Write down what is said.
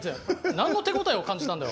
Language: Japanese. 何の手応えを感じたんだよ。